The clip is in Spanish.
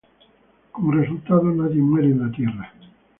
Como resultado, nadie muere en la tierra.